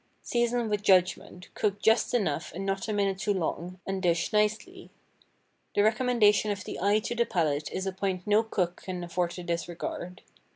Season with judgment, cook just enough and not a minute too long, and dish nicely. The recommendation of the eye to the palate is a point no cook can afford to disregard.